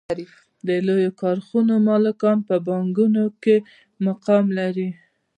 د لویو کارخانو مالکان په بانکونو کې مقام لري